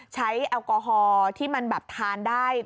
แอลกอฮอล์ที่มันแบบทานได้